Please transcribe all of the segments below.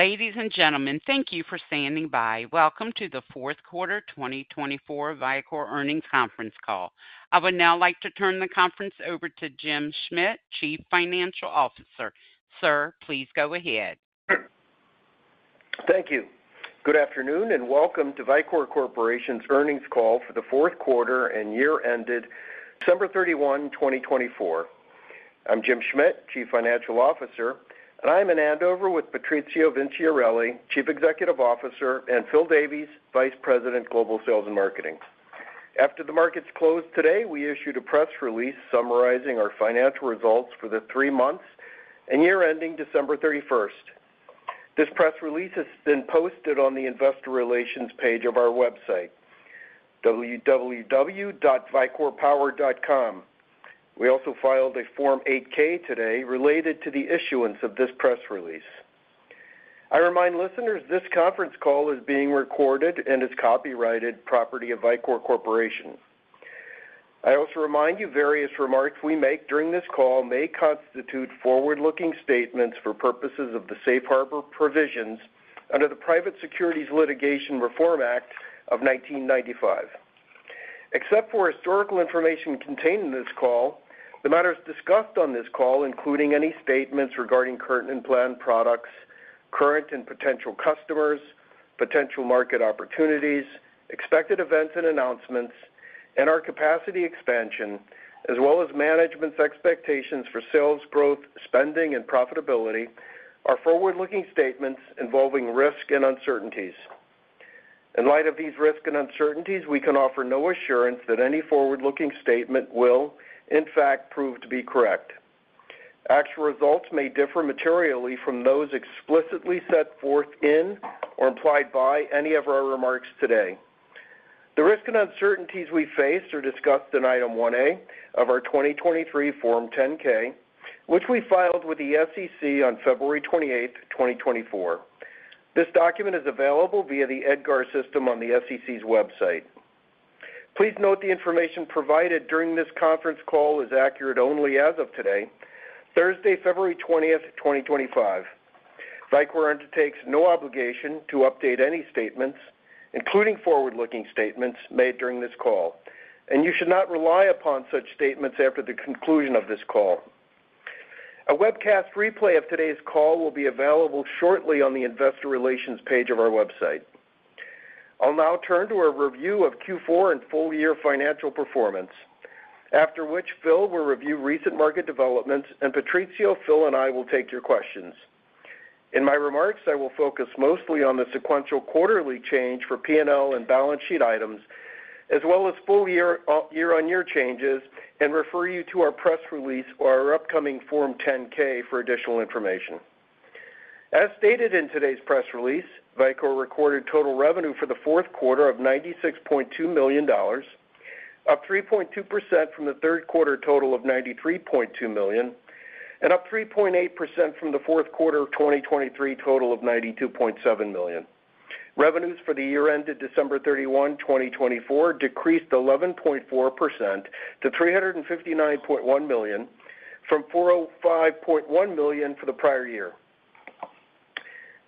Ladies and gentlemen, thank you for standing by. Welcome to the Q4 2024 Vicor Earnings Conference Call. I would now like to turn the conference over to Jim Schmidt, Chief Financial Officer. Sir, please go ahead. Thank you. Good afternoon and welcome to Vicor Corporation's Earnings Call for the Q4 and year ended December 31, 2024. I'm Jim Schmidt, Chief Financial Officer, and I'm in and over with Patrizio Vinciarelli, Chief Executive Officer, and Phil Davies, Vice President, Global Sales and Marketing. After the markets closed today, we issued a press release summarizing our financial results for the three months and year ending December 31st. This press release has been posted on the investor relations page of our website, www.vicorpower.com. We also filed a Form 8-K today related to the issuance of this press release. I remind listeners this conference call is being recorded and is copyrighted property of Vicor Corporation. I also remind you various remarks we make during this call may constitute forward-looking statements for purposes of the safe harbor provisions under the Private Securities Litigation Reform Act of 1995. Except for historical information contained in this call, the matters discussed on this call, including any statements regarding current and planned products, current and potential customers, potential market opportunities, expected events and announcements, and our capacity expansion, as well as management's expectations for sales growth, spending, and profitability, are forward-looking statements involving risk and uncertainties. In light of these risk and uncertainties, we can offer no assurance that any forward-looking statement will, in fact, prove to be correct. Actual results may differ materially from those explicitly set forth in or implied by any of our remarks today. The risk and uncertainties we face are discussed in Item 1A of our 2023 Form 10-K, which we filed with the SEC on February 28, 2024. This document is available via the EDGAR system on the SEC's website. Please note the information provided during this conference call is accurate only as of today, Thursday, February 20, 2025. Vicor undertakes no obligation to update any statements, including forward-looking statements made during this call, and you should not rely upon such statements after the conclusion of this call. A webcast replay of today's call will be available shortly on the investor relations page of our website. I'll now turn to a review of Q4 and full-year financial performance, after which Phil will review recent market developments, and Patrizio, Phil and I will take your questions. In my remarks, I will focus mostly on the sequential quarterly change for P&L and balance sheet items, as well as full-year on-year changes, and refer you to our press release or our upcoming Form 10-K for additional information. As stated in today's press release, Vicor recorded total revenue for the Q4 of $96.2 million, up 3.2% from the Q3 total of $93.2 million, and up 3.8% from the Q4 of 2023 total of $92.7 million. Revenues for the year ended December 31, 2024, decreased 11.4% to $359.1 million from $405.1 million for the prior year.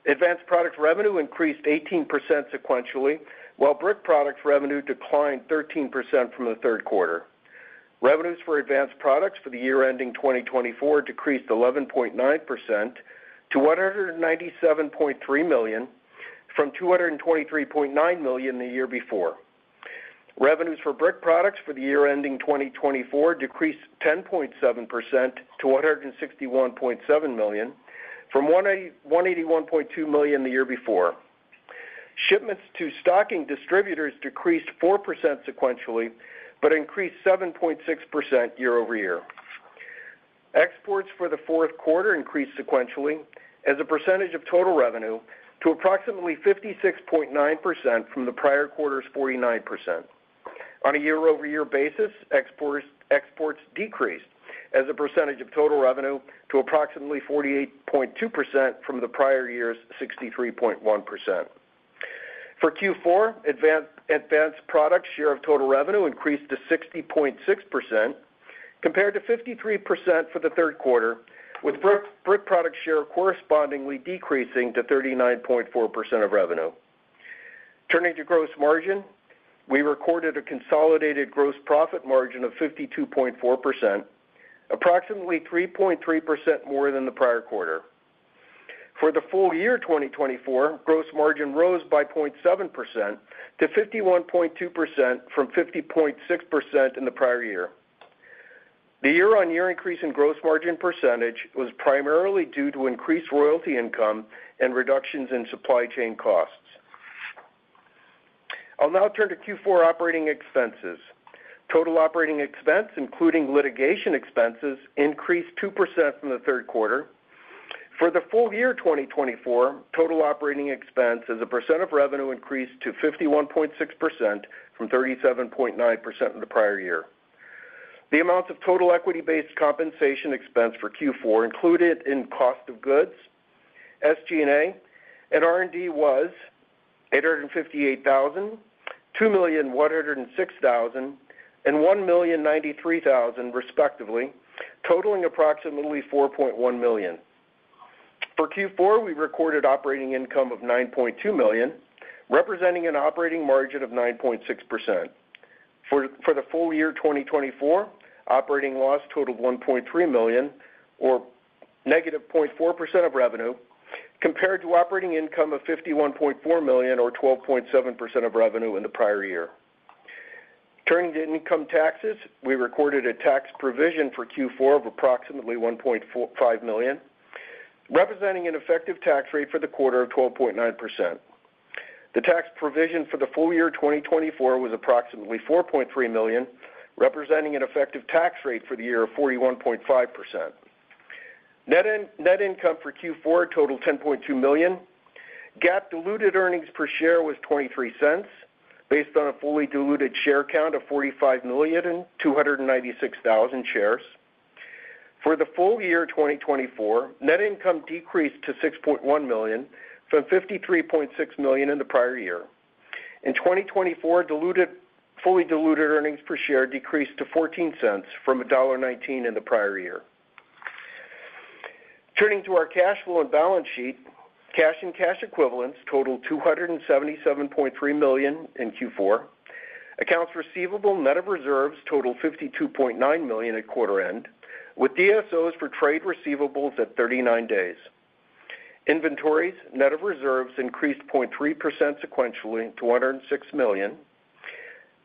Advanced products revenue increased 18% sequentially, while Brick products revenue declined 13% from the Q3. Revenues for advanced products for the year ending 2024 decreased 11.9% to $197.3 million from $223.9 million the year before. Revenues for Brick products for the year ending 2024 decreased 10.7% to $161.7 million from $181.2 million the year before. Shipments to stocking distributors decreased 4% sequentially but increased 7.6% year-over-year. Exports for the Q4 increased sequentially as a percentage of total revenue to approximately 56.9% from the prior quarter's 49%. On a year-over-year basis, exports decreased as a % of total revenue to approximately 48.2% from the prior year's 63.1%. For Q4, advanced products share of total revenue increased to 60.6% compared to 53% for the Q3, with Brick products share correspondingly decreasing to 39.4% of revenue. Turning to gross margin, we recorded a consolidated gross profit margin of 52.4%, approximately 3.3% more than the prior quarter. For the full year 2024, gross margin rose by 0.7% to 51.2% from 50.6% in the prior year. The year-on-year increase in gross margin percentage was primarily due to increased royalty income and reductions in supply chain costs. I'll now turn to Q4 operating expenses. Total operating expense, including litigation expenses, increased 2% from the Q3. For the full year 2024, total operating expense as a % of revenue increased to 51.6% from 37.9% of the prior year. The amounts of total equity-based compensation expense for Q4 included in cost of goods, SG&A, and R&D was $858,000, $2,106,000, and $1,093,000 respectively, totaling approximately $4.1 million. For Q4, we recorded operating income of $9.2 million, representing an operating margin of 9.6%. For the full year 2024, operating loss totaled $1.3 million, or negative 0.4% of revenue, compared to operating income of $51.4 million, or 12.7% of revenue in the prior year. Turning to income taxes, we recorded a tax provision for Q4 of approximately $1.5 million, representing an effective tax rate for the quarter of 12.9%. The tax provision for the full year 2024 was approximately $4.3 million, representing an effective tax rate for the year of 41.5%. Net income for Q4 totaled $10.2 million. GAAP-diluted earnings per share was $0.23, based on a fully diluted share count of 45,296,000 shares. For the full year 2024, net income decreased to $6.1 million from $53.6 million in the prior year. In 2024, fully diluted earnings per share decreased to $0.14 from $1.19 in the prior year. Turning to our cash flow and balance sheet, cash and cash equivalents totaled $277.3 million in Q4. Accounts receivable net of reserves totaled $52.9 million at quarter end, with DSOs for trade receivables at 39 days. Inventories net of reserves increased 0.3% sequentially to $106 million.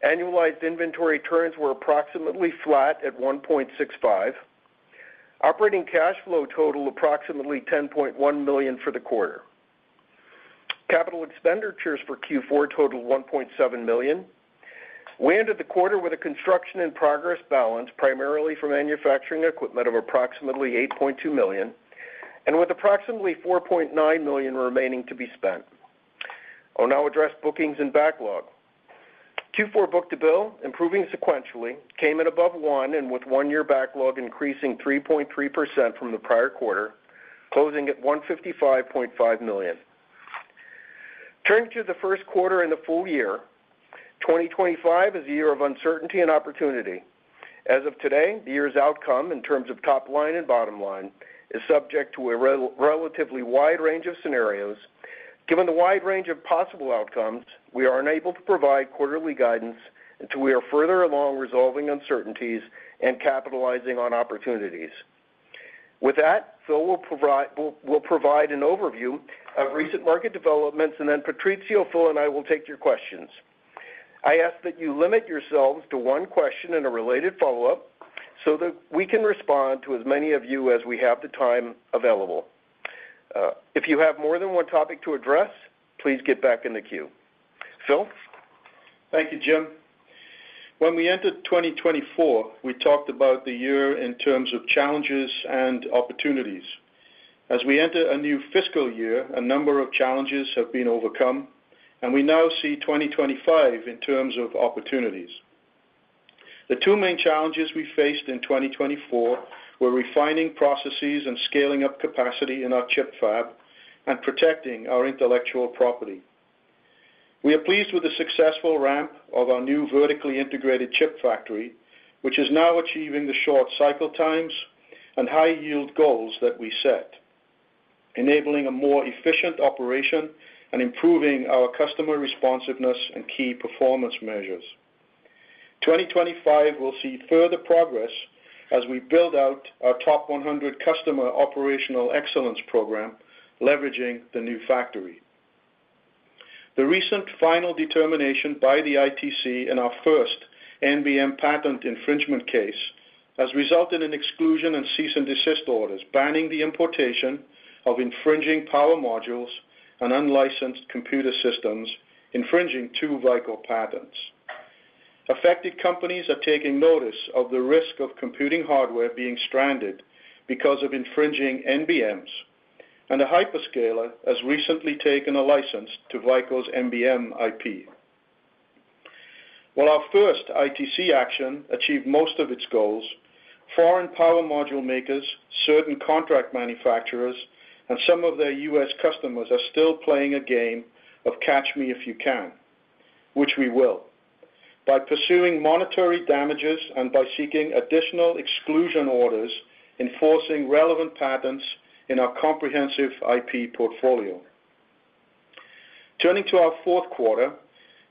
Annualized inventory turns were approximately flat at 1.65. Operating cash flow totaled approximately $10.1 million for the quarter. Capital expenditures for Q4 totaled $1.7 million. We ended the quarter with a construction-in-progress balance, primarily for manufacturing equipment, of approximately $8.2 million, and with approximately $4.9 million remaining to be spent. I'll now address bookings and backlog. Q4 book-to-bill, improving sequentially, came in above one and with one-year backlog increasing 3.3% from the prior quarter, closing at $155.5 million. Turning to the Q1 and the full year, 2025 is a year of uncertainty and opportunity. As of today, the year's outcome in terms of top line and bottom line is subject to a relatively wide range of scenarios. Given the wide range of possible outcomes, we are unable to provide quarterly guidance until we are further along resolving uncertainties and capitalizing on opportunities. With that, Phil will provide an overview of recent market developments, and then Patrizio, Phil and I will take your questions. I ask that you limit yourselves to one question and a related follow-up so that we can respond to as many of you as we have the time available. If you have more than one topic to address, please get back in the queue. Phil? Thank you, Jim. When we entered 2024, we talked about the year in terms of challenges and opportunities. As we enter a new fiscal year, a number of challenges have been overcome, and we now see 2025 in terms of opportunities. The two main challenges we faced in 2024 were refining processes and scaling up capacity in our ChiP fab and protecting our intellectual property. We are pleased with the successful ramp of our new vertically integrated chip factory, which is now achieving the short cycle times and high-yield goals that we set, enabling a more efficient operation and improving our customer responsiveness and key performance measures. 2025 will see further progress as we build out our top 100 customer operational excellence program, leveraging the new factory. The recent final determination by the ITC in our first NBM patent infringement case has resulted in exclusion and cease and desist orders banning the importation of infringing power modules and unlicensed computer systems, infringing two Vicor patents. Affected companies are taking notice of the risk of computing hardware being stranded because of infringing NBMs, and a hyperscaler has recently taken a license to Vicor's NBM IP. While our first ITC action achieved most of its goals, foreign power module makers, certain contract manufacturers, and some of their U.S. customers are still playing a game of catch me if you can, which we will, by pursuing monetary damages and by seeking additional exclusion orders, enforcing relevant patents in our comprehensive IP portfolio. Turning to our Q4,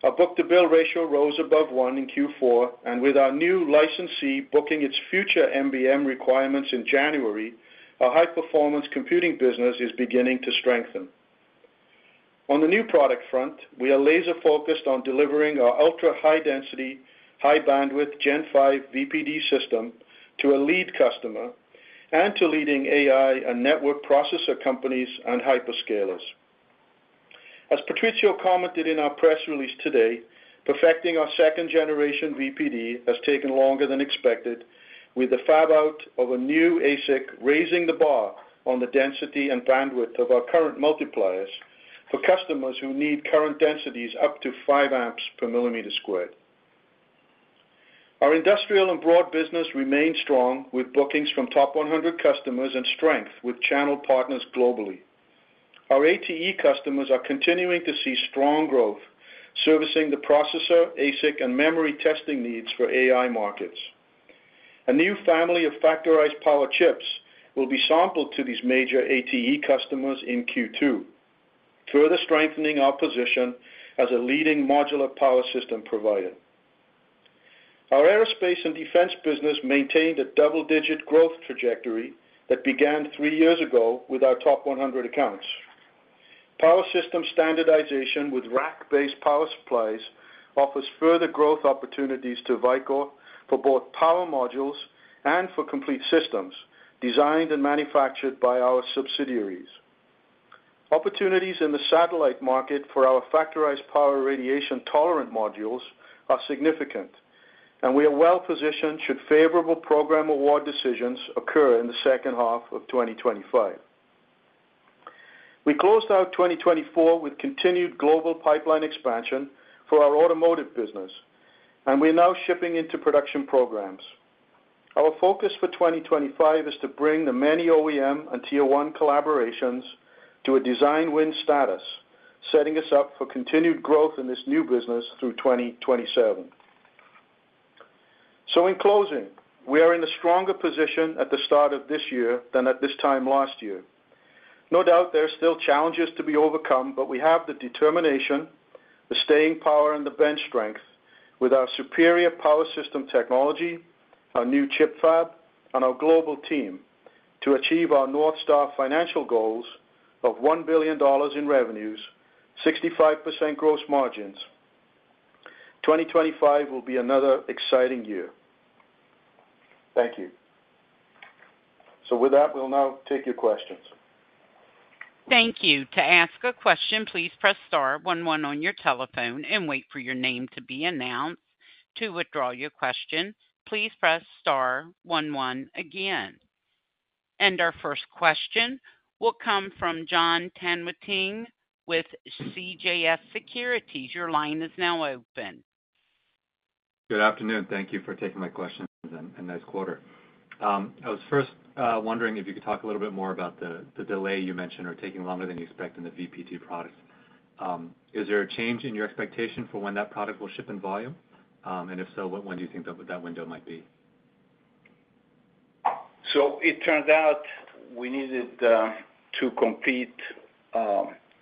our book-to-bill ratio rose above one in Q4, and with our new licensee booking its future NBM requirements in January, our high-performance computing business is beginning to strengthen. On the new product front, we are laser-focused on delivering our ultra-high-density, high-bandwidth Gen5 VPD system to a lead customer and to leading AI and network processor companies and hyperscalers. As Patrizio commented in our press release today, perfecting our second-generation VPD has taken longer than expected, with the fab-out of a new ASIC raising the bar on the density and bandwidth of our current multipliers for customers who need current densities up to five amps per millimeter squared. Our industrial and broad business remains strong, with bookings from top 100 customers and strength with channel partners globally. Our ATE customers are continuing to see strong growth, servicing the processor, ASIC, and memory testing needs for AI markets. A new family of Factorized Power ChiPs will be sampled to these major ATE customers in Q2, further strengthening our position as a leading modular power system provider. Our aerospace and defense business maintained a double-digit growth trajectory that began three years ago with our top 100 accounts. Power system standardization with rack-based power supplies offers further growth opportunities to Vicor for both power modules and for complete systems designed and manufactured by our subsidiaries. Opportunities in the satellite market for our Factorized Power radiation tolerant modules are significant, and we are well-positioned should favorable program award decisions occur in the second half of 2025. We closed out 2024 with continued global pipeline expansion for our automotive business, and we are now shipping into production programs. Our focus for 2025 is to bring the many OEM and Tier 1 collaborations to a design-win status, setting us up for continued growth in this new business through 2027. So in closing, we are in a stronger position at the start of this year than at this time last year. No doubt there are still challenges to be overcome, but we have the determination, the staying power, and the bench strength with our superior power system technology, our new ChiP fab, and our global team to achieve our North Star financial goals of $1 billion in revenues, 65% gross margins. 2025 will be another exciting year. Thank you. So with that, we'll now take your questions. Thank you. To ask a question, please press star one one on your telephone and wait for your name to be announced. To withdraw your question, please press star one one again. And our first question will come from Jon Tanwanteng with CJS Securities. Your line is now open. Good afternoon. Thank you for taking my questions in this quarter. I was first wondering if you could talk a little bit more about the delay you mentioned or taking longer than you expected in the VPD products. Is there a change in your expectation for when that product will ship in volume? And if so, when do you think that window might be? It turns out we needed to compete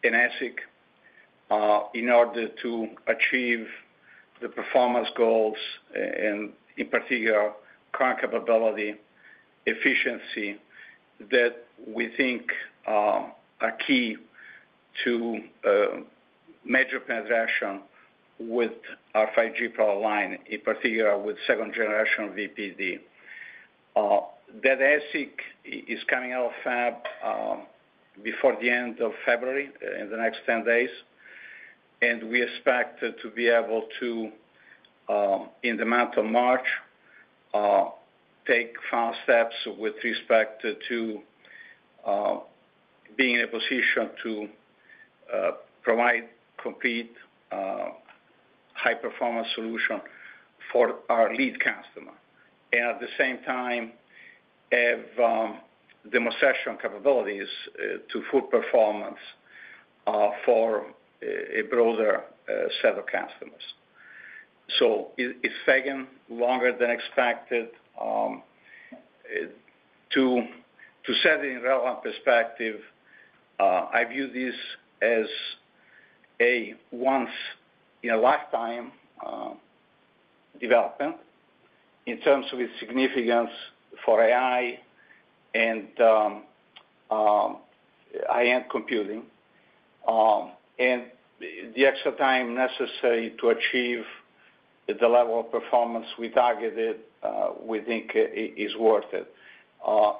in ASIC in order to achieve the performance goals and, in particular, current capability efficiency that we think are key to major penetration with our 5G product line, in particular with second-generation VPD. That ASIC is coming out of fab before the end of February in the next 10 days, and we expect to be able to, in the month of March, take final steps with respect to being in a position to provide complete high-performance solution for our lead customer and, at the same time, have demonstration capabilities to full performance for a broader set of customers. It has taken longer than expected. To set it in relevant perspective, I view this as a once-in-a-lifetime development in terms of its significance for AI and high-end computing, and the extra time necessary to achieve the level of performance we targeted, we think, is worth it.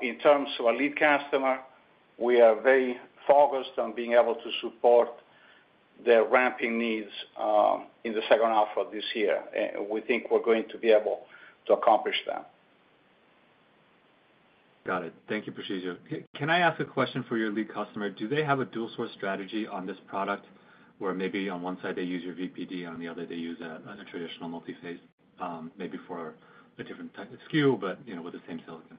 In terms of our lead customer, we are very focused on being able to support their ramping needs in the second half of this year, and we think we're going to be able to accomplish that. Got it. Thank you, Patrizio. Can I ask a question for your lead customer? Do they have a dual-source strategy on this product where maybe on one side they use your VPD and on the other they use a traditional multi-phase, maybe for a different type of SKU, but with the same silicon?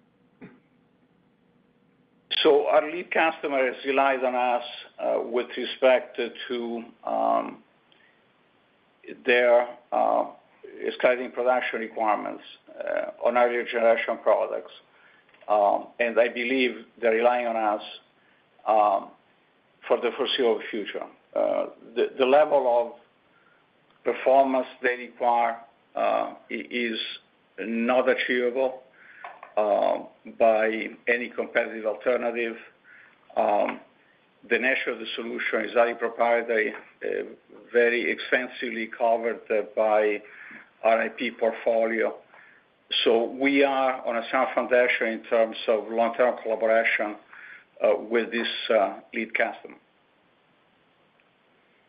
So our lead customers rely on us with respect to their exciting production requirements on earlier generation products, and I believe they're relying on us for the foreseeable future. The level of performance they require is not achievable by any competitive alternative. The nature of the solution is highly proprietary, very extensively covered by our IP portfolio. So we are on a sound foundation in terms of long-term collaboration with this lead customer.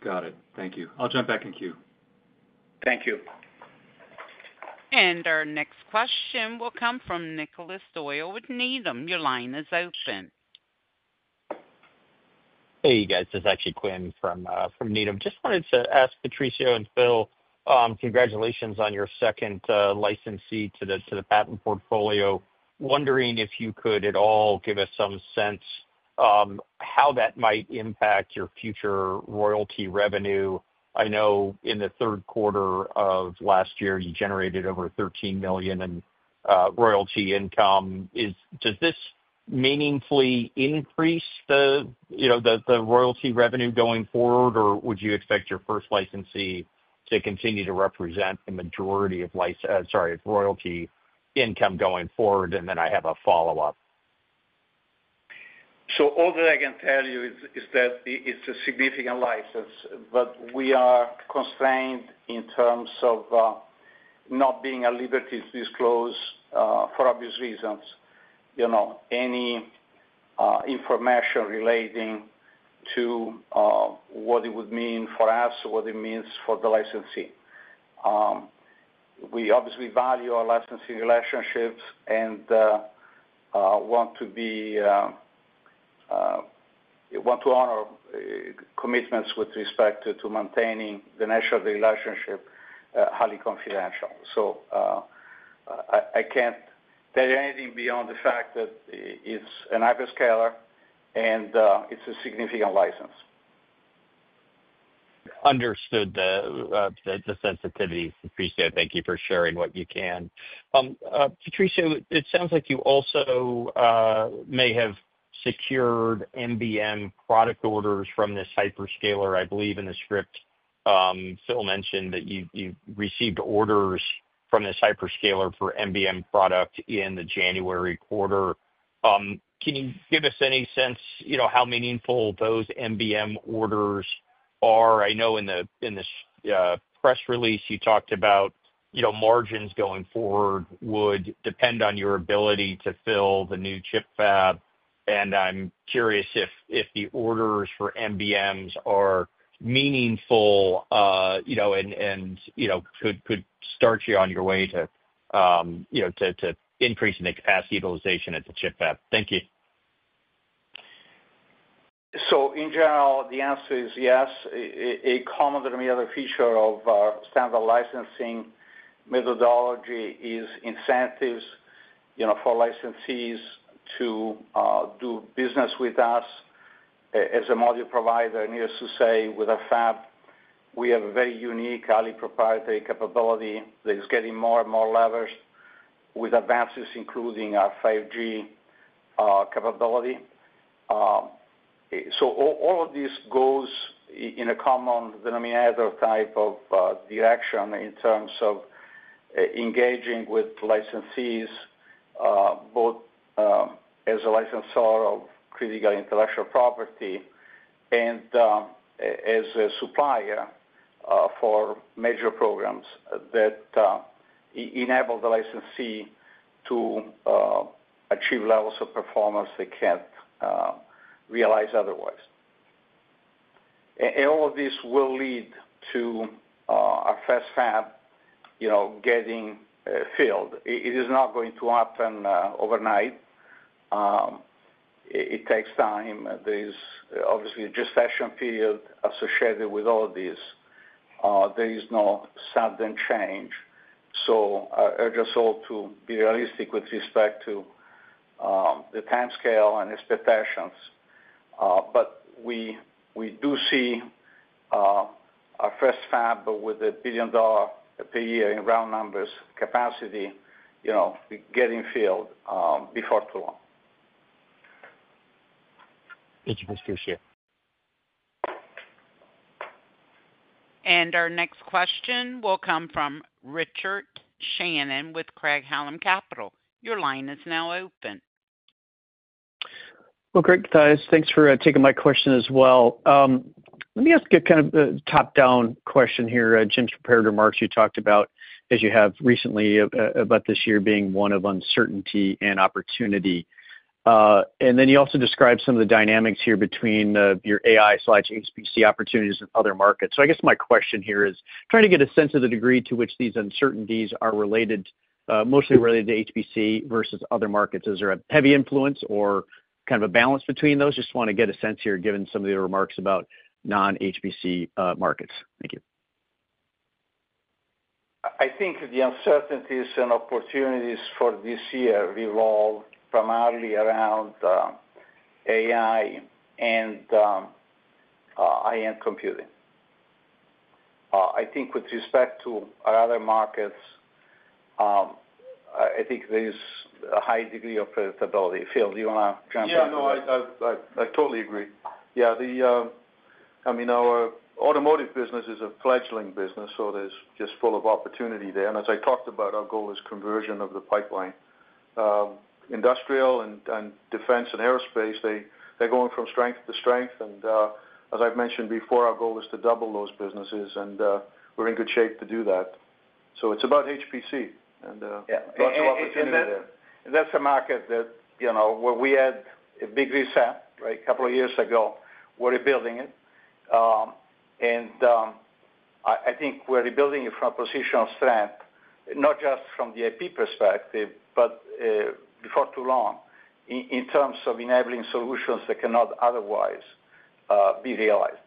Got it. Thank you. I'll jump back in queue. Thank you. Our next question will come from Nicholas Doyle with Needham. Your line is open. Hey, you guys. This is actually Quinn from Needham. Just wanted to ask Patrizio and Phil, congratulations on your second licensee to the patent portfolio. Wondering if you could at all give us some sense how that might impact your future royalty revenue. I know in the Q3 of last year, you generated over $13 million in royalty income. Does this meaningfully increase the royalty revenue going forward, or would you expect your first licensee to continue to represent the majority of royalty income going forward, and then I have a follow-up? All that I can tell you is that it's a significant license, but we are constrained in terms of not being at liberty to disclose for obvious reasons any information relating to what it would mean for us, what it means for the licensee. We obviously value our licensee relationships and want to honor commitments with respect to maintaining the nature of the relationship highly confidential. So I can't tell you anything beyond the fact that it's a hyperscaler and it's a significant license. Understood the sensitivities. Patrizio, thank you for sharing what you can. Patrizio, it sounds like you also may have secured NBM product orders from this hyperscaler, I believe, in the script. Phil mentioned that you received orders from this hyperscaler for NBM product in the January quarter. Can you give us any sense how meaningful those NBM orders are? I know in the press release you talked about margins going forward would depend on your ability to fill the new ChiP fab, and I'm curious if the orders for NBMs are meaningful and could start you on your way to increasing the capacity utilization at the ChiP fab. Thank you. So in general, the answer is yes. A common denominator feature of standard licensing methodology is incentives for licensees to do business with us as a module provider. Needless to say, with our fab, we have a very unique highly proprietary capability that is getting more and more leveraged with advances, including our 5G capability. So all of this goes in a common denominator type of direction in terms of engaging with licensees both as a licensor of critical intellectual property and as a supplier for major programs that enable the licensee to achieve levels of performance they can't realize otherwise. And all of this will lead to our first fab getting filled. It is not going to happen overnight. It takes time. There is obviously a gestation period associated with all this. There is no sudden change. So I just hope to be realistic with respect to the timescale and expectations. But we do see our first fab with a $1 billion per year, in round numbers, capacity getting filled before too long. Thank you, Patrizio. Our next question will come from Richard Shannon with Craig-Hallum Capital. Your line is now open. Great, Taz. Thanks for taking my question as well. Let me ask a kind of top-down question here. Jim's prepared remarks you talked about, as you have recently about this year being one of uncertainty and opportunity. And then you also described some of the dynamics here between your AI/HPC opportunities and other markets. So I guess my question here is trying to get a sense of the degree to which these uncertainties are related, mostly related to HPC versus other markets. Is there a heavy influence or kind of a balance between those? Just want to get a sense here given some of your remarks about non-HPC markets. Thank you. I think the uncertainties and opportunities for this year revolve primarily around AI and high-end computing. I think with respect to our other markets, I think there is a high degree of predictability. Phil, do you want to jump in? Yeah, no, I totally agree. Yeah, I mean, our automotive business is a fledgling business, so there's just full of opportunity there. And as I talked about, our goal is conversion of the pipeline. Industrial and defense and aerospace, they're going from strength to strength. And as I've mentioned before, our goal is to double those businesses, and we're in good shape to do that. So it's about HPC and lots of opportunity there. That's a market that we had a big reset a couple of years ago. We're rebuilding it. I think we're rebuilding it from a position of strength, not just from the IP perspective, but before too long in terms of enabling solutions that cannot otherwise be realized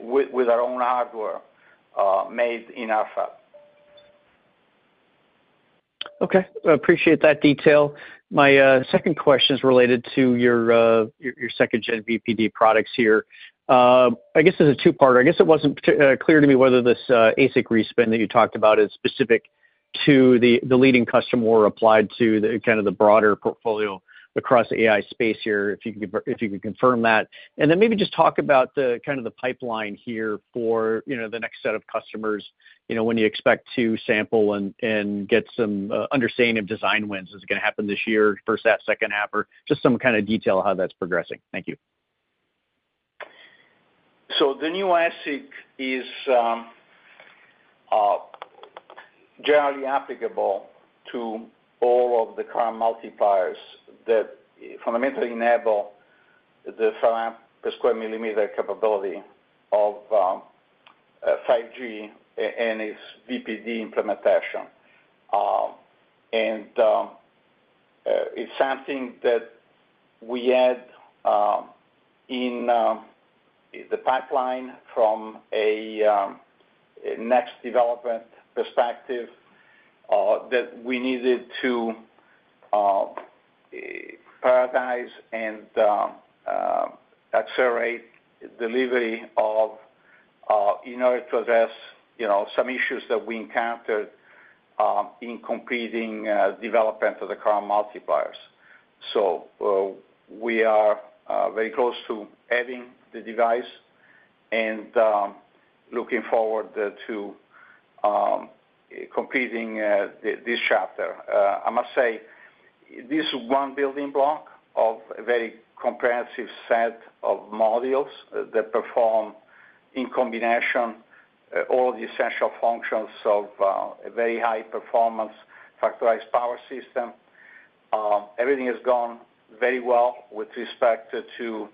with our own hardware made in our fab. Okay. Appreciate that detail. My second question is related to your second-gen VPD products here. I guess there's a two-parter. I guess it wasn't clear to me whether this ASIC respin that you talked about is specific to the leading customer or applied to kind of the broader portfolio across the AI space here, if you could confirm that. And then maybe just talk about kind of the pipeline here for the next set of customers when you expect to sample and get some understanding of design wins. Is it going to happen this year, first half, second half, or just some kind of detail of how that's progressing? Thank you. The new ASIC is generally applicable to all of the current multipliers that fundamentally enable the per square millimeter capability of 5G and its VPD implementation. It's something that we had in the pipeline from a next development perspective that we needed to prioritize and accelerate delivery of in order to address some issues that we encountered in completing development of the current multipliers. We are very close to having the device and looking forward to completing this chapter. I must say this is one building block of a very comprehensive set of modules that perform in combination all of the essential functions of a very high-performance factorized power system. Everything has gone very well with respect to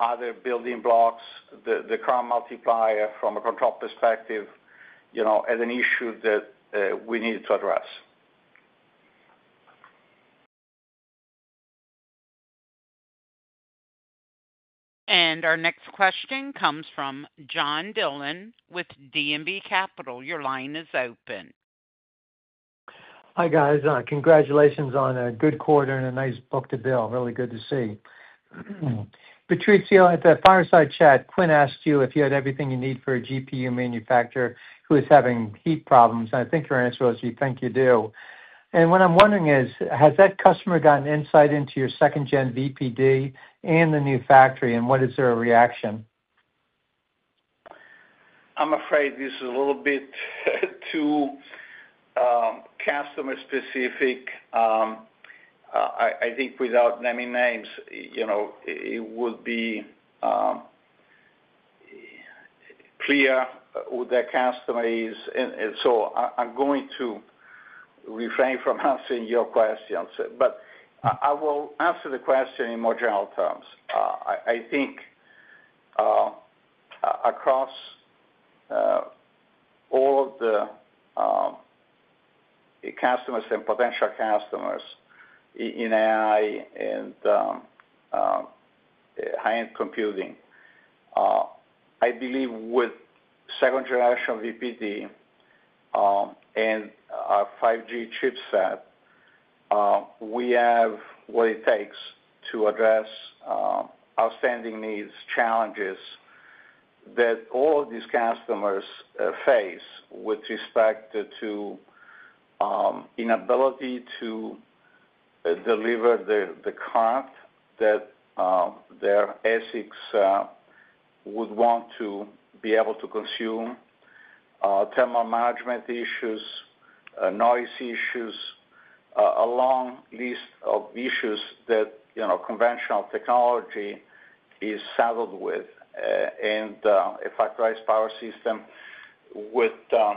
other building blocks. The current multiplier from a control perspective had an issue that we needed to address. And our next question comes from John Dillon with D&B Capital. Your line is open. Hi guys. Congratulations on a good quarter and a nice book-to-bill. Really good to see. Patrizio, at the fireside chat, Quinn asked you if you had everything you need for a GPU manufacturer who is having heat problems. I think your answer was you think you do. And what I'm wondering is, has that customer gotten insight into your second-gen VPD and the new factory, and what is their reaction? I'm afraid this is a little bit too customer-specific. I think without naming names, it would be clear who that customer is. And so I'm going to refrain from answering your questions, but I will answer the question in more general terms. I think across all of the customers and potential customers in AI and high-end computing, I believe with second-generation VPD and our 5G chipset, we have what it takes to address outstanding needs, challenges that all of these customers face with respect to inability to deliver the current that their ASICs would want to be able to consume, thermal management issues, noise issues, a long list of issues that conventional technology is saddled with. And a factorized power system with a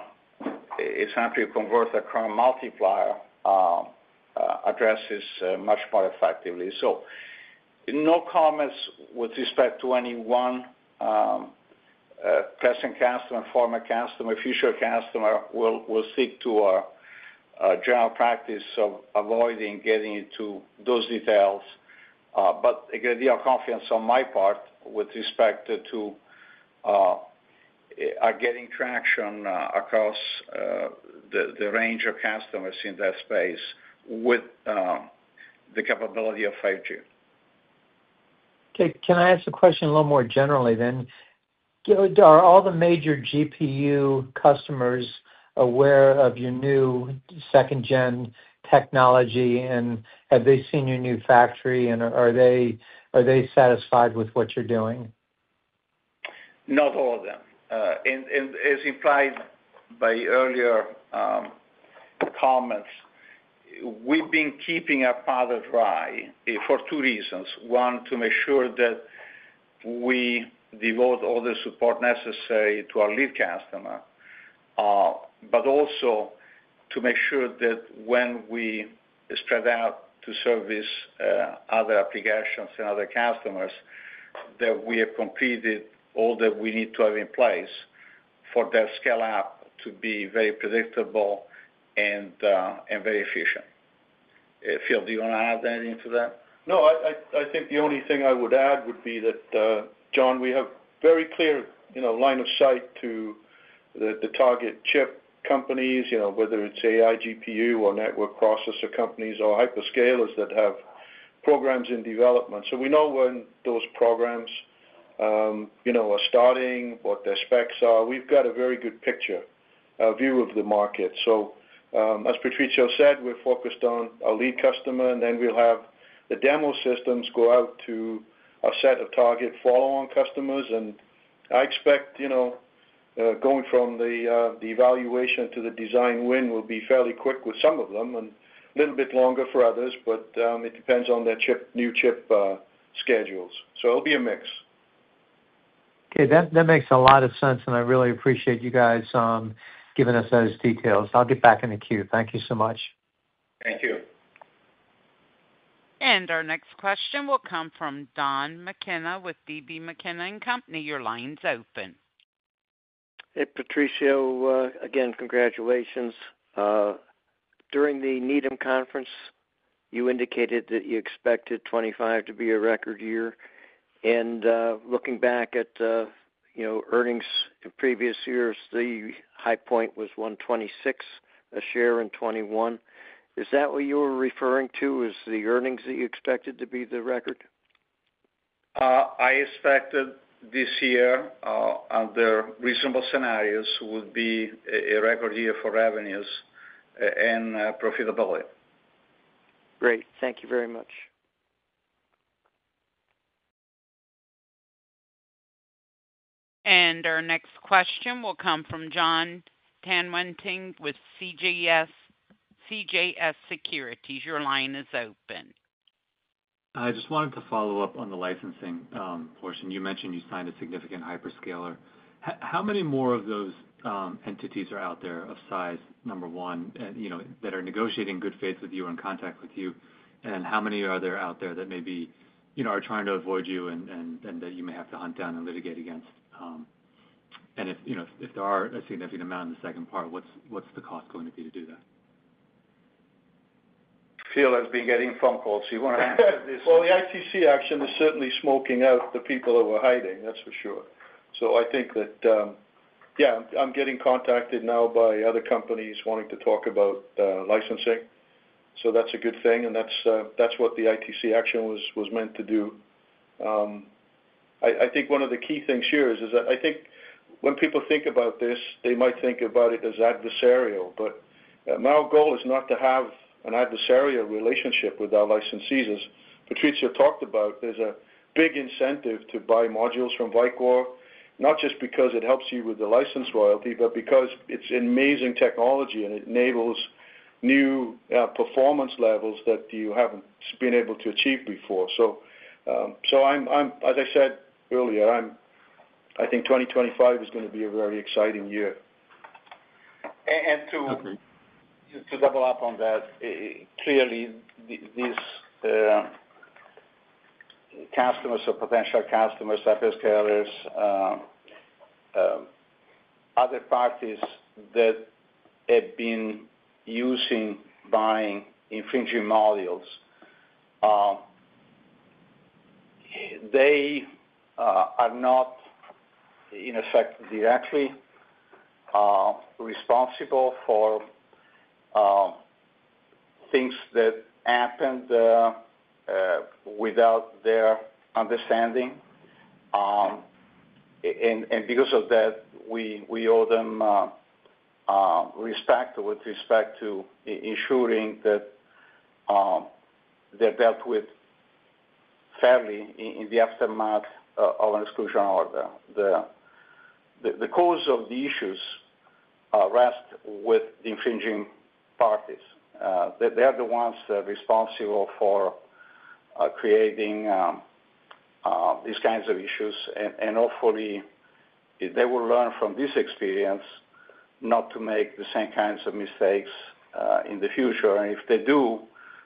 simply converted current multiplier addresses much more effectively. So, no comments with respect to any one present customer, former customer, future customer will stick to our general practice of avoiding getting into those details. But I give you confidence, on my part, with respect to getting traction across the range of customers in that space with the capability of 5G. Okay. Can I ask a question a little more generally then? Are all the major GPU customers aware of your new second-gen technology, and have they seen your new factory, and are they satisfied with what you're doing? Not all of them. As implied by earlier comments, we've been keeping our powder dry for two reasons. One, to make sure that we devote all the support necessary to our lead customer, but also to make sure that when we spread out to service other applications and other customers, that we have completed all that we need to have in place for that scale-up to be very predictable and very efficient. Phil, do you want to add anything to that? No, I think the only thing I would add would be that, John, we have a very clear line of sight to the target chip companies, whether it's AI GPU or network processor companies or hyperscalers that have programs in development. So we know when those programs are starting, what their specs are. We've got a very good picture, a view of the market. So as Patrizio said, we're focused on our lead customer, and then we'll have the demo systems go out to a set of target follow-on customers. And I expect going from the evaluation to the design win will be fairly quick with some of them and a little bit longer for others, but it depends on their new chip schedules. So it'll be a mix. Okay. That makes a lot of sense, and I really appreciate you guys giving us those details. I'll get back in the queue. Thank you so much. Thank you. And our next question will come from Don McKenna with D.B. McKenna & Company. Your line is open. Hey, Patrizio. Again, congratulations. During the Needham conference, you indicated that you expected 2025 to be a record year. And looking back at earnings in previous years, the high point was $1.26 a share in 2021. Is that what you were referring to as the earnings that you expected to be the record? I expected this year, under reasonable scenarios, would be a record year for revenues and profitability. Great. Thank you very much. And our next question will come from Jon Tanwanteng with CJS Securities. Your line is open. I just wanted to follow up on the licensing portion. You mentioned you signed a significant hyperscaler. How many more of those entities are out there of size number one that are negotiating good faith with you or in contact with you? And how many are there out there that maybe are trying to avoid you and that you may have to hunt down and litigate against? And if there are a significant amount in the second part, what's the cost going to be to do that? Phil, I've been getting phone calls. You want to answer this? The ITC Action is certainly smoking out the people that were hiding. That's for sure. So I think that, yeah, I'm getting contacted now by other companies wanting to talk about licensing. So that's a good thing, and that's what the ITC Action was meant to do. I think one of the key things here is that I think when people think about this, they might think about it as adversarial. But our goal is not to have an adversarial relationship with our licensees. As Patrizio talked about, there's a big incentive to buy modules from Vicor, not just because it helps you with the license royalty, but because it's amazing technology and it enables new performance levels that you haven't been able to achieve before. So as I said earlier, I think 2025 is going to be a very exciting year. And to double up on that, clearly, these customers or potential customers, hyperscalers, other parties that have been using, buying infringing modules, they are not, in effect, directly responsible for things that happened without their understanding. And because of that, we owe them respect with respect to ensuring that they're dealt with fairly in the aftermath of an exclusion order. The cause of the issues rests with the infringing parties. They're the ones responsible for creating these kinds of issues. And hopefully, they will learn from this experience not to make the same kinds of mistakes in the future. And if they do,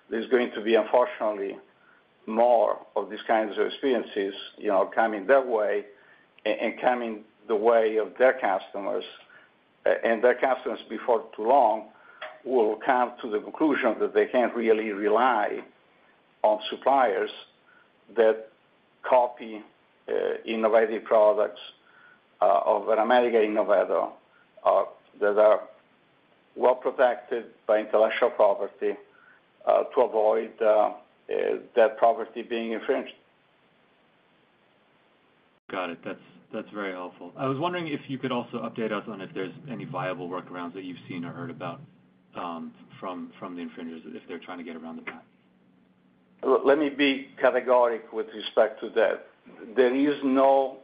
there's going to be, unfortunately, more of these kinds of experiences coming their way and coming the way of their customers. Their customers, before too long, will come to the conclusion that they can't really rely on suppliers that copy innovative products of an American innovator that are well protected by intellectual property to avoid that property being infringed. Got it. That's very helpful. I was wondering if you could also update us on if there's any viable workarounds that you've seen or heard about from the infringers, if they're trying to get around the patent. Let me be categorical with respect to that. There is no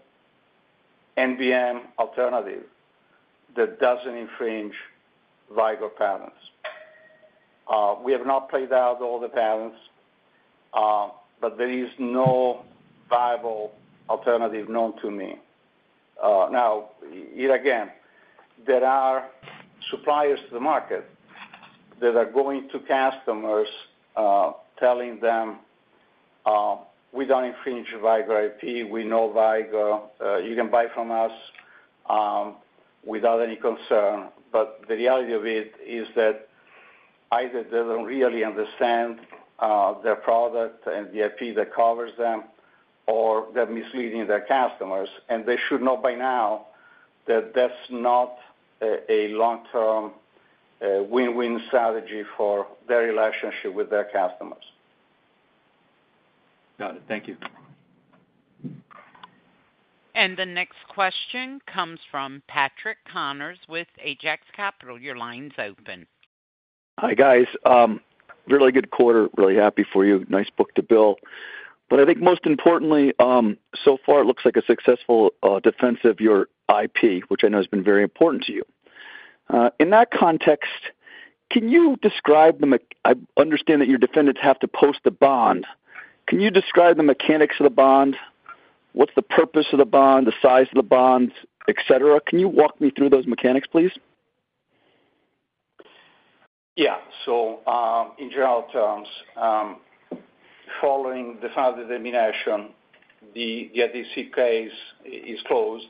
NBM alternative that doesn't infringe Vicor patents. We have not played out all the patents, but there is no viable alternative known to me. Now, yet again, there are suppliers to the market that are going to customers telling them, "We don't infringe Vicor IP. We know Vicor. You can buy from us without any concern." But the reality of it is that either they don't really understand their product and the IP that covers them, or they're misleading their customers, and they should know by now that that's not a long-term win-win strategy for their relationship with their customers. Got it. Thank you. The next question comes from Patrick Connors with Ajax Capital. Your line is open. Hi guys. Really good quarter. Really happy for you. Nice book to bill. But I think most importantly, so far, it looks like a successful defense of your IP, which I know has been very important to you. In that context, can you describe the bond? I understand that your defendants have to post the bond. Can you describe the mechanics of the bond? What's the purpose of the bond, the size of the bond, etc.? Can you walk me through those mechanics, please? Yeah. So in general terms, following the final determination, the ITC case is closed.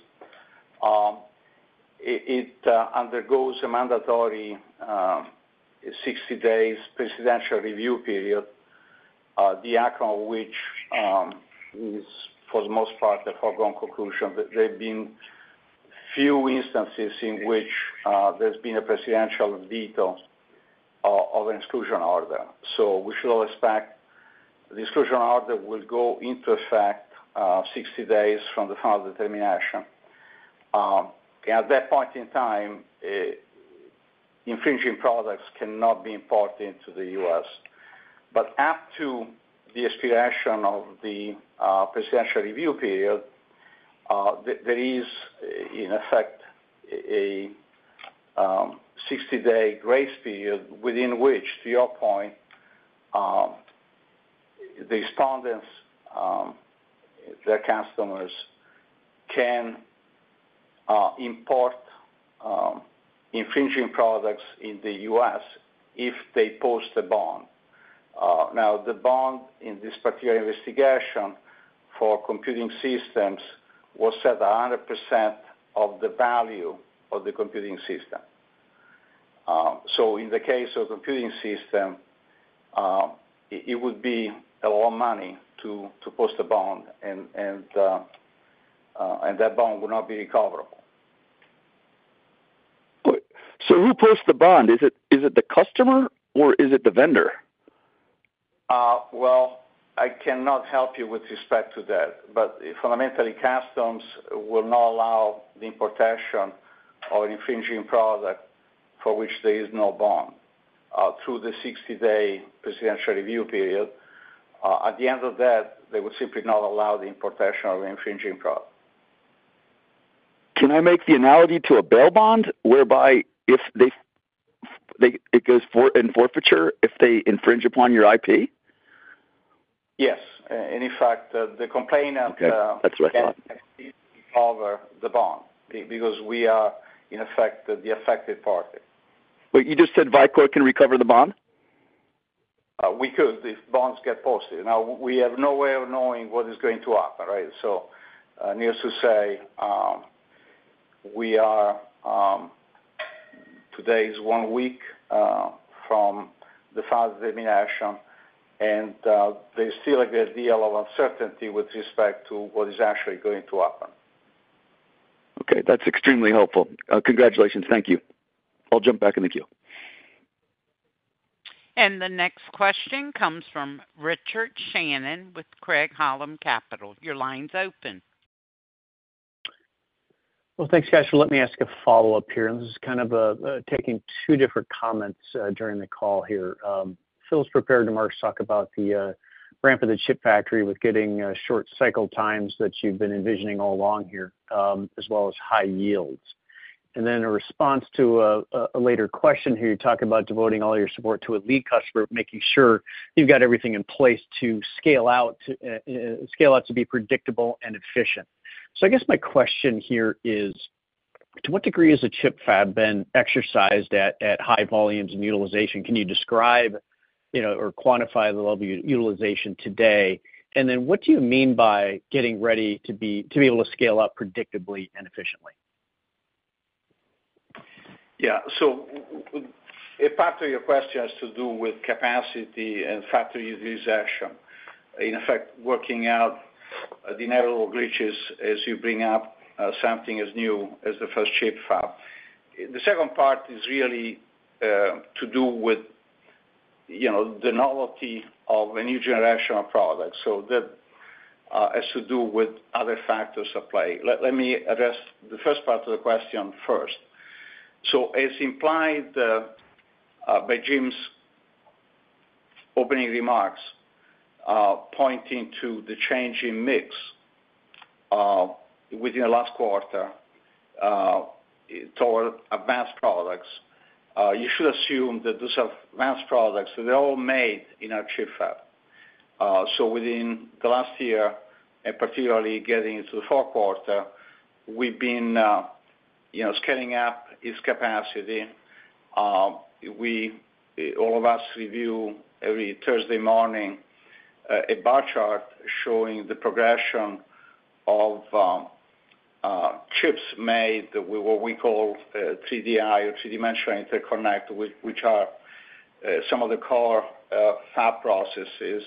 It undergoes a mandatory 60-day presidential review period, the outcome of which is, for the most part, a foregone conclusion. There have been few instances in which there's been a presidential veto of an exclusion order. So we should all expect the exclusion order will go into effect 60 days from the final determination. At that point in time, infringing products cannot be imported into the U.S. But after the expiration of the presidential review period, there is, in effect, a 60-day grace period within which, to your point, the respondents, their customers, can import infringing products in the U.S. if they post a bond. Now, the bond in this particular investigation for computing systems was set at 100% of the value of the computing system. In the case of a computing system, it would be a lot of money to post a bond, and that bond would not be recoverable. So who posts the bond? Is it the customer, or is it the vendor? I cannot help you with respect to that. Fundamentally, customs will not allow the importation of an infringing product for which there is no bond through the 60-day presidential review period. At the end of that, they would simply not allow the importation of an infringing product. Can I make the analogy to a bail bond whereby it goes in forfeiture if they infringe upon your IP? Yes. And in fact, the complainant. Okay. That's what I thought. Cannot recover the bond because we are, in effect, the affected party. Wait, you just said Vicor can recover the bond? We could if bonds get posted. Now, we have no way of knowing what is going to happen, right? So needless to say, today is one week from the final determination, and there's still a great deal of uncertainty with respect to what is actually going to happen. Okay. That's extremely helpful. Congratulations. Thank you. I'll jump back in the queue. The next question comes from Richard Shannon with Craig-Hallum Capital. Your line is open. Well, thanks, guys. So let me ask a follow-up here. And this is kind of taking two different comments during the call here. Phil's prepared to talk about the ramp of the chip factory with getting short cycle times that you've been envisioning all along here, as well as high yields. And then in response to a later question here, you talk about devoting all your support to a lead customer, making sure you've got everything in place to scale out to be predictable and efficient. So I guess my question here is, to what degree has a ChiP fab been exercised at high volumes and utilization? Can you describe or quantify the level of utilization today? And then what do you mean by getting ready to be able to scale up predictably and efficiently? Yeah. So a part of your question has to do with capacity and factory utilization, in effect, working out the inevitable glitches as you bring up something as new as the first ChiP fab. The second part is really to do with the novelty of a new generation of products. So that has to do with other factors at play. Let me address the first part of the question first. So as implied by Jim's opening remarks, pointing to the change in mix within the last quarter toward advanced products, you should assume that those advanced products, they're all made in our ChiP fab. So within the last year, and particularly getting into the Q4, we've been scaling up its capacity. All of us review every Thursday morning a bar chart showing the progression of chips made with what we call 3DI or three-dimensional interconnect, which are some of the core fab processes.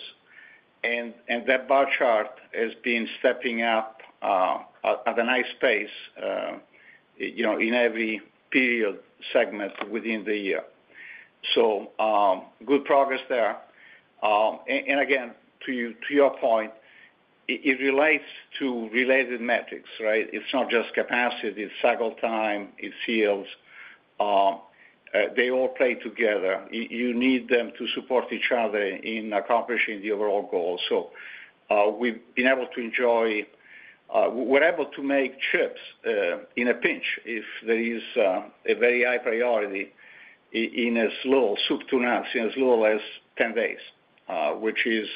That bar chart has been stepping up at a nice pace in every period segment within the year. Good progress there. Again, to your point, it relates to related metrics, right? It's not just capacity. It's cycle time. It's yields. They all play together. You need them to support each other in accomplishing the overall goal. We've been able to enjoy. We're able to make chips in a pinch if there is a very high priority in as little as soup to nuts, in as little as 10 days, which is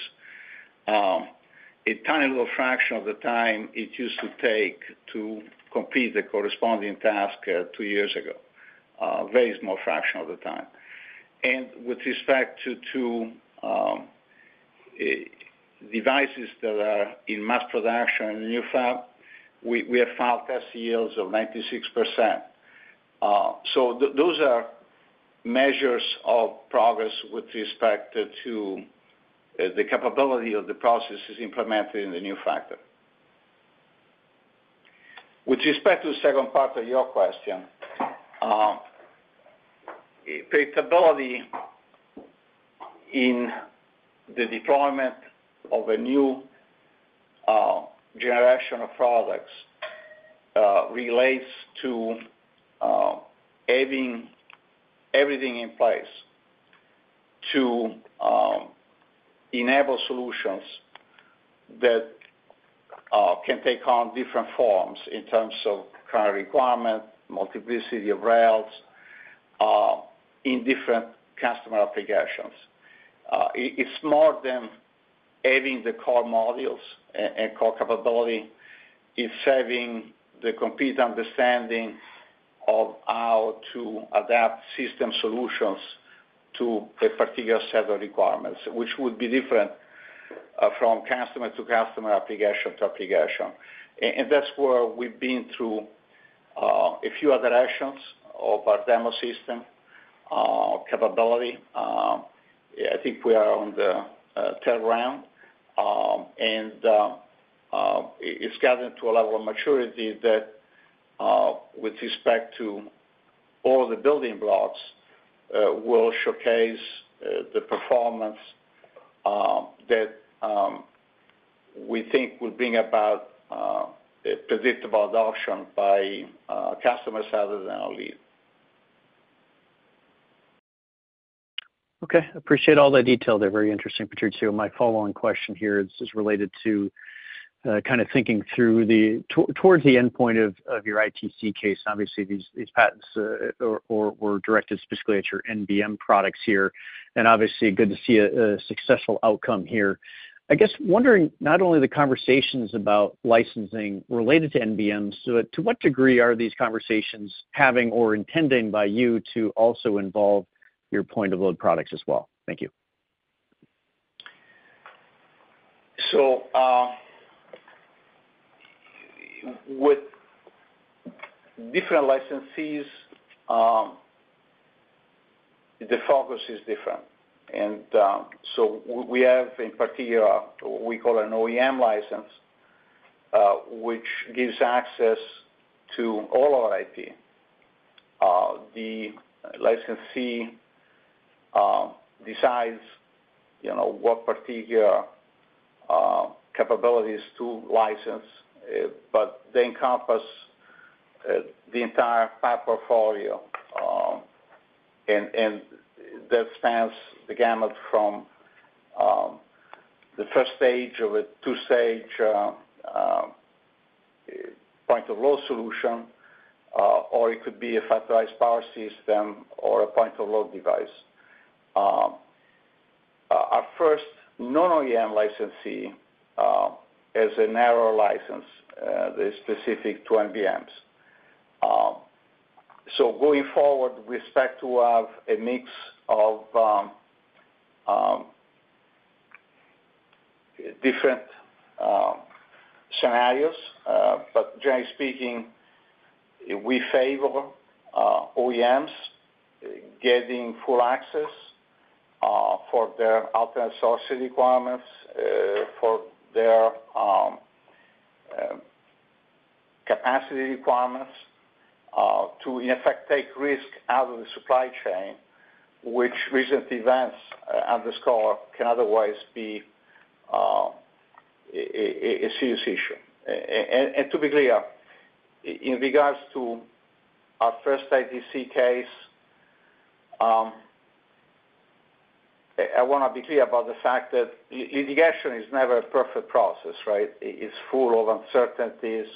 a tiny little fraction of the time it used to take to complete the corresponding task two years ago. A very small fraction of the time. And with respect to devices that are in mass production in the new fab, we have found test yields of 96%. So those are measures of progress with respect to the capability of the processes implemented in the new fab. With respect to the second part of your question, predictability in the deployment of a new generation of products relates to having everything in place to enable solutions that can take on different forms in terms of current requirement, multiplicity of rails, in different customer applications. It's more than having the core modules and core capability. It's having the complete understanding of how to adapt system solutions to a particular set of requirements, which would be different from customer to customer, application to application. And that's where we've been through a few iterations of our demo system capability. I think we are on the third round, and it's gotten to a level of maturity that, with respect to all the building blocks, will showcase the performance that we think will bring about predictable adoption by customers rather than our lead. Okay. Appreciate all that detail there. Very interesting, Patrizio. My following question here is related to kind of thinking towards the endpoint of your ITC case. Obviously, these patents were directed specifically at your NBM products here. And obviously, good to see a successful outcome here. I guess wondering not only the conversations about licensing related to NBMs, but to what degree are these conversations having or intending by you to also involve your point-of-load products as well? Thank you. So with different licenses, the focus is different. And so we have, in particular, what we call an OEM license, which gives access to all our IP. The licensee decides what particular capabilities to license, but they encompass the entire fab portfolio. And that spans the gamut from the first stage of a two-stage point-of-load solution, or it could be a factorized power system, or a point-of-load device. Our first non-OEM licensee has a narrow license that is specific to NBMs. So going forward, we expect to have a mix of different scenarios. But generally speaking, we favor OEMs getting full access for their alternate source requirements, for their capacity requirements, to, in effect, take risk out of the supply chain, which recent events underscore can otherwise be a serious issue. And to be clear, in regards to our first ITC case, I want to be clear about the fact that litigation is never a perfect process, right? It's full of uncertainties.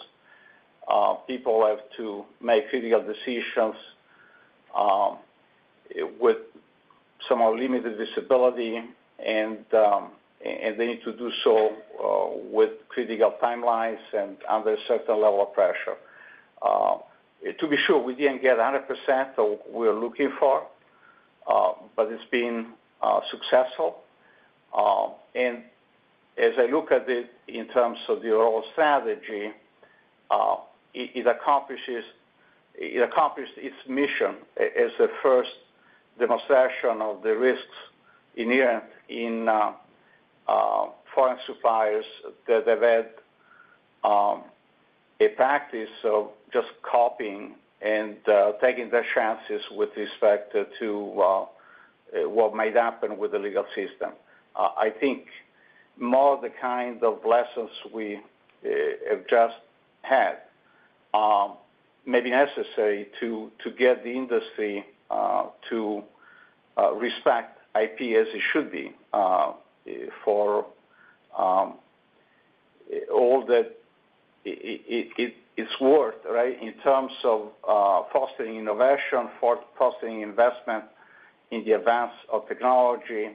People have to make critical decisions with somewhat limited visibility, and they need to do so with critical timelines and under a certain level of pressure. To be sure, we didn't get 100% of what we were looking for, but it's been successful. And as I look at it in terms of the overall strategy, it accomplished its mission as the first demonstration of the risks inherent in foreign suppliers that have had a practice of just copying and taking their chances with respect to what might happen with the legal system. I think more of the kind of lessons we have just had may be necessary to get the industry to respect IP as it should be for all that it's worth, right, in terms of fostering innovation, fostering investment in the advance of technology.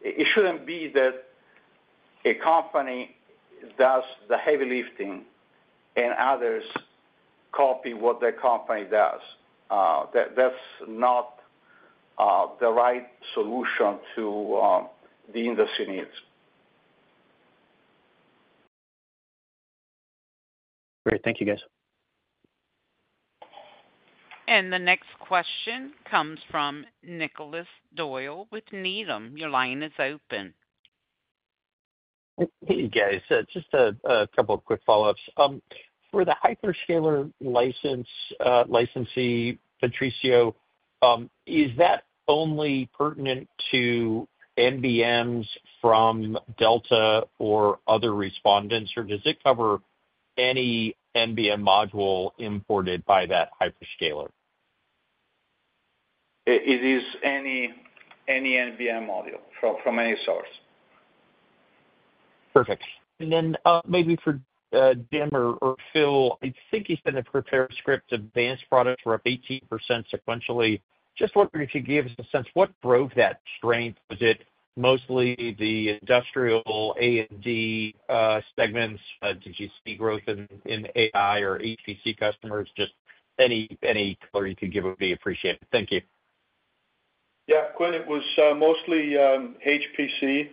It shouldn't be that a company does the heavy lifting and others copy what their company does. That's not the right solution to the industry needs. Great. Thank you, guys. The next question comes from Nicholas Doyle with Needham. Your line is open. Hey, guys. Just a couple of quick follow-ups. For the hyperscaler licensee, Patrizio, is that only pertinent to NBMs from Delta or other respondents, or does it cover any NBM module imported by that hyperscaler? It is any NBM module from any source. Perfect. And then maybe for Jim or Phil, I think he said that for the script, Advanced Products were up 18% sequentially. Just wondering if you could give us a sense, what drove that strength? Was it mostly the industrial A&D segments? Did you see growth in AI or HPC customers? Just any color you can give would be appreciated. Thank you. Yeah. Quinn, it was mostly HPC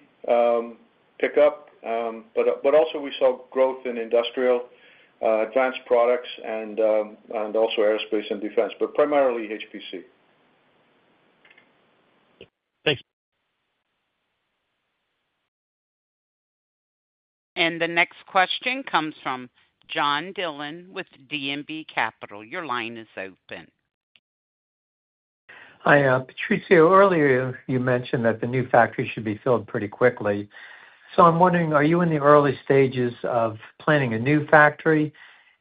pickup. But also, we saw growth in industrial advanced products and also aerospace and defense, but primarily HPC. Thanks. The next question comes from John Dillon with D&B Capital. Your line is open. Hi, Patrizio. Earlier, you mentioned that the new factory should be filled pretty quickly. So I'm wondering, are you in the early stages of planning a new factory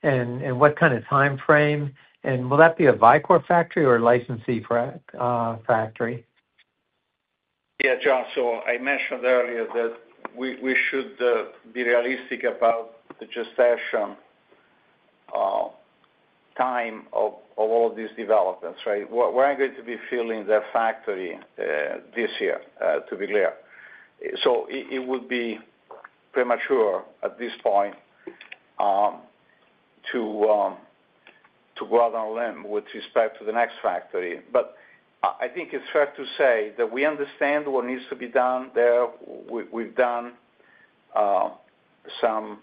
and what kind of timeframe? And will that be a Vicor factory or a licensee factory? Yeah, John. So I mentioned earlier that we should be realistic about the gestation time of all of these developments, right? We're not going to be filling that factory this year, to be clear. So it would be premature at this point to go out on a limb with respect to the next factory. But I think it's fair to say that we understand what needs to be done there. We've done some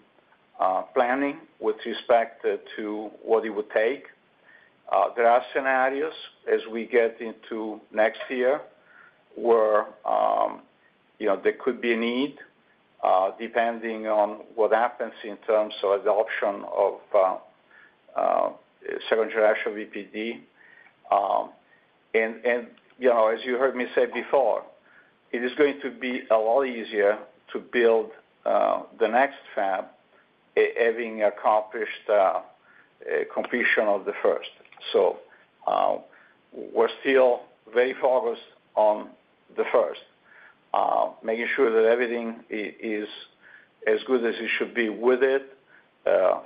planning with respect to what it would take. There are scenarios as we get into next year where there could be a need depending on what happens in terms of adoption of second-generation VPD. And as you heard me say before, it is going to be a lot easier to build the next fab having accomplished completion of the first. So we're still very focused on the first, making sure that everything is as good as it should be with it.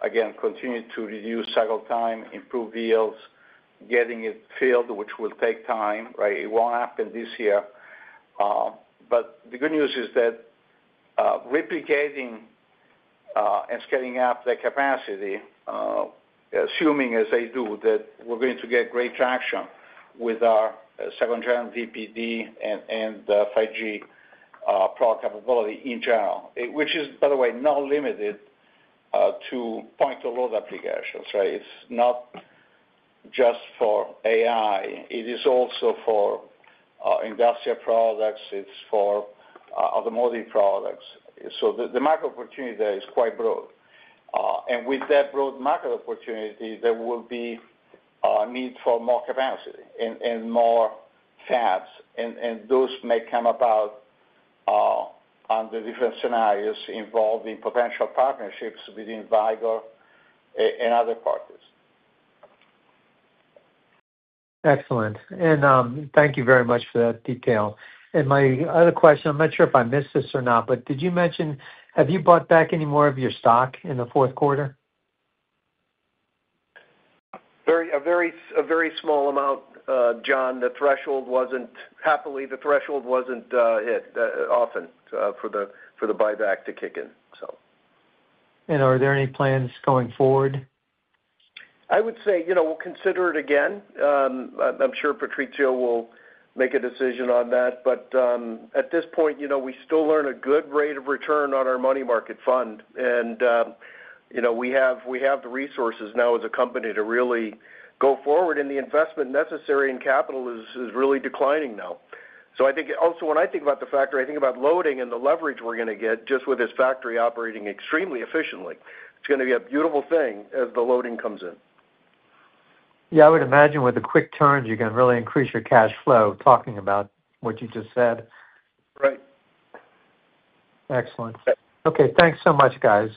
Again, continue to reduce cycle time, improve yields, getting it filled, which will take time, right? It won't happen this year. But the good news is that replicating and scaling up the capacity, assuming as I do that we're going to get great traction with our second-gen VPD and 5G power capability in general, which is, by the way, not limited to point-of-load applications, right? It's not just for AI. It is also for industrial products. It's for automotive products. So the market opportunity there is quite broad. And with that broad market opportunity, there will be a need for more capacity and more fabs. And those may come about under different scenarios involving potential partnerships between Vicor and other parties. Excellent. And thank you very much for that detail. And my other question, I'm not sure if I missed this or not, but did you mention, have you bought back any more of your stock in the Q4? A very small amount, John. Happily, the threshold wasn't hit often for the buyback to kick in, so. Are there any plans going forward? I would say we'll consider it again. I'm sure Patrizio will make a decision on that. But at this point, we still earn a good rate of return on our money market fund. And we have the resources now as a company to really go forward. And the investment necessary in capital is really declining now. So I think also, when I think about the factory, I think about loading and the leverage we're going to get just with this factory operating extremely efficiently. It's going to be a beautiful thing as the loading comes in. Yeah. I would imagine with the quick turns, you can really increase your cash flow talking about what you just said. Right. Excellent. Okay. Thanks so much, guys.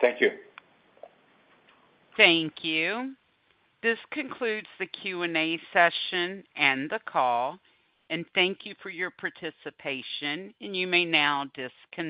Thank you. Thank you. This concludes the Q&A session and the call. And thank you for your participation. And you may now disconnect.